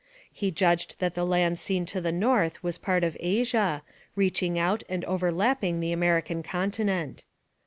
He judged that the land seen to the north was part of Asia, reaching out and overlapping the American continent.